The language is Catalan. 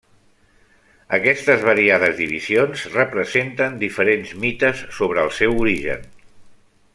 Aquestes variades divisions representen diferents mites sobre el seu origen.